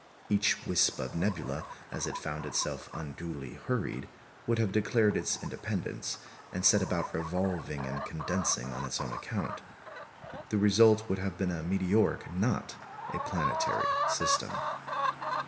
Each wisp of nebula, as it found itself unduly hurried, would have declared its independence, and set about revolving and condensing on its own account. The result would have been a meteoric, not a planetary system.